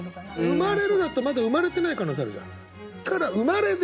「生まれる」だとまだ生まれてない可能性あるじゃない。